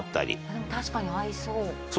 でも確かに合いそう。